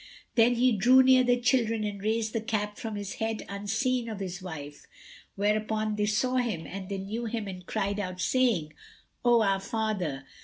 Then he drew near the children and raised the cap from his head unseen of his wife, whereupon they saw him and they knew him and cried out, saying, "O our father!"